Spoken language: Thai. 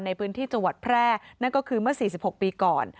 ในพื้นที่จังหวัดแพร่นั่นก็คือเมื่อ๔๖ปีก่อน